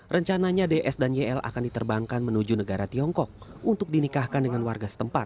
rencananya ds dan yl akan diterbangkan menuju negara tiongkok untuk dinikahkan dengan warga setempat